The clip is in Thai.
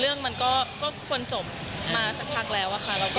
เรื่องมันก็จบมาสักทางแล้ว